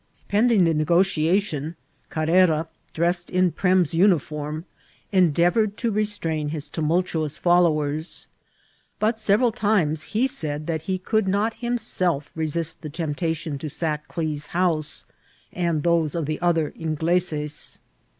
Pending the negotiation^ Carrera, dressed in Rrem's uniform, endeavoured to restrain his tumultuous foUoww ers ; but several times he said that he oould not himself aesist the temptation to sack Klee's house, and those of tiie other Ingleses.